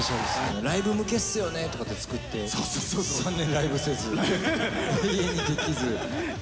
ライブ向けっすよねって作って、３年ライブせず。